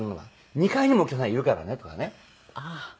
「２階にもお客さんいるからね」とかね。